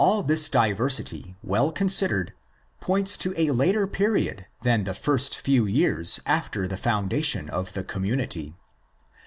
ΑΙ] this diversity, well considered, points to a later period than the first few years after the foundation of the community.